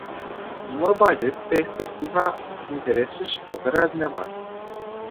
Mă bazez pe expertiza, interesul și cooperarea dvs.